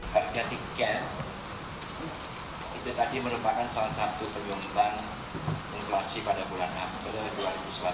harga tiket itu tadi merupakan salah satu penyumbang inflasi pada bulan april dua ribu sembilan belas